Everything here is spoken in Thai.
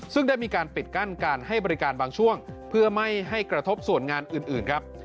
ซึ่งได้มีการปิดกั้นการให้บริการบางช่วงเพื่อไม่ให้กระทบส่วนงานอื่นครับ